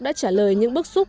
đã trả lời những bức xúc